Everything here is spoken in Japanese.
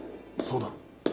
そうだろ？